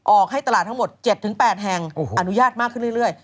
ให้ตลาดทั้งหมด๗๘แห่งอนุญาตมากขึ้นเรื่อย